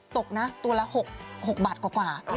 ตกน่ะตัวละ๖บาทกว่ากว่า